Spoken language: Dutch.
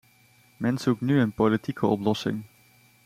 Men zoekt nu een politieke oplossing.